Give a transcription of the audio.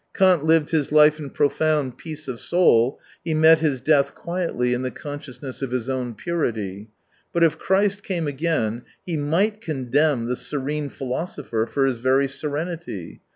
Kant lived his life in profound peace of soul, he met his death quietly, in the coftsciousness of his own purity. But if Christ came again, he might condemn the serene philosopher for his very serenity.